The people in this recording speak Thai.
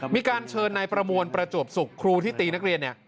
มีการเชิญนายประมวลประจวบสุขครูที่ตีนักเรียนเนี่ย